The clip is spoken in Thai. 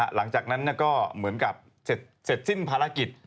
หลังจากนั้นก็เหมือนกับเสร็จสิ้นภารกิจ